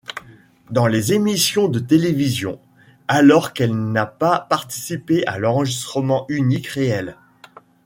Dans les émissions de télévision, alors qu'elle n'a pas participé à l'enregistrement unique réelle.